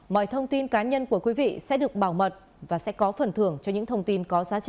mọi thông tin cá nhân của quý vị sẽ được bảo mật và sẽ có phần thưởng cho những thông tin có